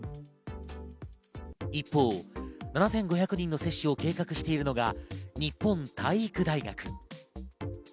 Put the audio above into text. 一方、７５００人の接種を計画しているのが日本体育大学。